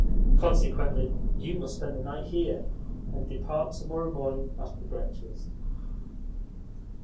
Consequently you must spend the night here, and depart to morrow morning after breakfast."